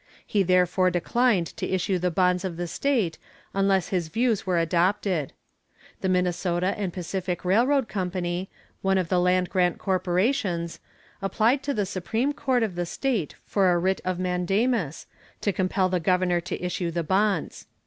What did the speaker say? He therefore declined to issue the bonds of the state unless his views were adopted. The Minnesota & Pacific Railroad Company, one of the land grant corporations, applied to the supreme court of the state for a writ of mandamus, to compel the governor to issue the bonds.